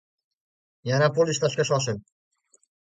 Yana pul ishlashga shoshil.